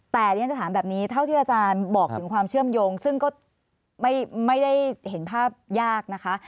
แต่เรียนจะถามแบบนี้เท่าที่อาจารย์บอกถึงความเชื่อมโยงซึ่งก็ไม่ได้เห็นภาพยากนะคะ